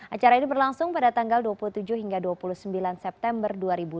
acara ini berlangsung pada tanggal dua puluh tujuh hingga dua puluh sembilan september dua ribu dua puluh